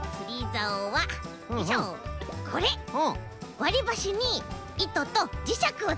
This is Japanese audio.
わりばしにいととじしゃくをつけたんだ。